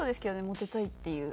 モテたいっていう。